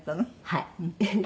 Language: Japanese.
はい。